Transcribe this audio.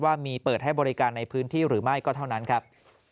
ว่ามีเปิดให้บริการในพื้นที่หรือไม่ก็เท่านั้นครับ